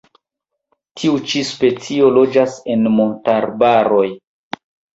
Tiu ĉi specio loĝas en montarbaroj.